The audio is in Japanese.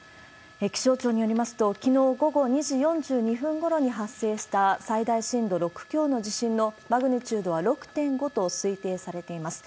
気象庁によりますと、きのう午後２時４２分ごろに発生した最大震度６強の地震のマグニチュードは６．５と推定されています。